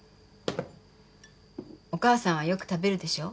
お母さんはよく食べるでしょ？